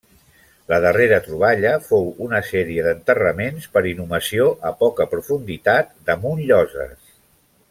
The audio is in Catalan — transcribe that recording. La darrera troballa fou una sèrie d'enterraments per inhumació a poca profunditat damunt lloses.